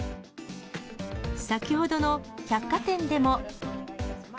先ほどの百貨店でも。